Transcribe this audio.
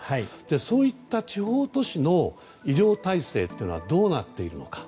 そういった地方都市の医療体制というのはどうなっているのか。